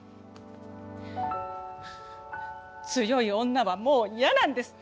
強い女はもう嫌なんです。